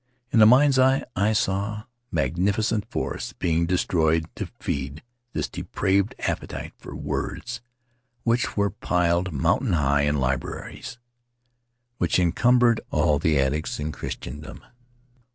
In the mind's eye I saw magnificent forests being destroyed to feed this depraved appetite for words, which were piled mountain high in libraries; which encumbered all the attics in Christendom.